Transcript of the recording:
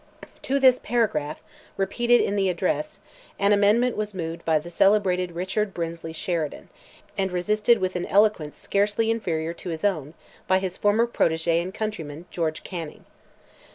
To this paragraph, repeated in the address, an amendment was moved by the celebrated Richard Brinsley Sheridan, and resisted with an eloquence scarcely inferior to his own, by his former protege and countryman, George Canning.